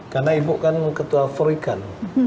karena ibu kan ketua for ikan